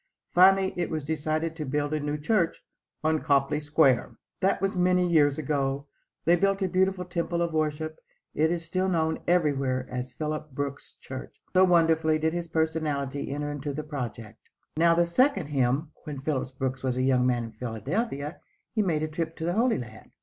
Finally it was decided to build a new church on Copley Square. That was many years ago. They built a beautiful temple of worship. It is still known everywhere as "Phillips Brooks' Church," so wonderfully did his personality enter into the project. Now the second "hymn." When Phillips Brooks was a young man in Philadelphia he made a trip to the Holy Land.